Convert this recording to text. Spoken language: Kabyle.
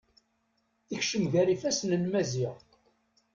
Tekcem gar ifasen n Maziɣ.